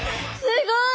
すごい！